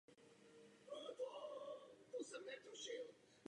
Jde tedy o problém, který musíme řešit na různých frontách.